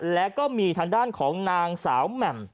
และมีด้านของนางสาวแหม่ม